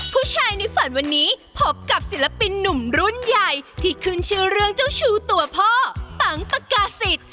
ผู้ชายในฝันวันนี้พบกับศิลปินหนุ่มรุ่นใหญ่ที่ขึ้นชื่อเรื่องเจ้าชูตัวพ่อปังปกาศิษย์